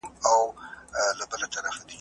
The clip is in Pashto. د عمر اوسط